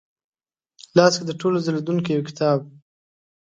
لاس کې د ټولو ځلېدونکې یوکتاب،